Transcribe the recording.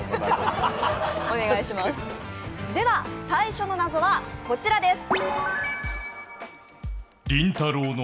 では最初の謎はこちらです。